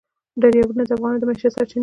دریابونه د افغانانو د معیشت سرچینه ده.